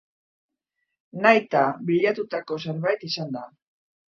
Nahita bilatutako zerbait izan da?